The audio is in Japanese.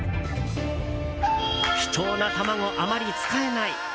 貴重な卵、あまり使えない。